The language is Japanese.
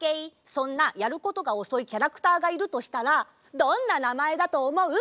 そんなやることがおそいキャラクターがいるとしたらどんななまえだとおもう？